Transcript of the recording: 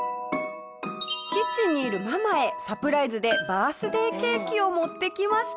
キッチンにいるママへサプライズでバースデーケーキを持ってきました。